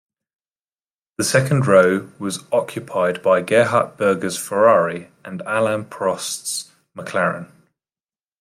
The second row was occupied by Gerhard Berger's Ferrari and Alain Prost's McLaren.